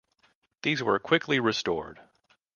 These were quickly restored.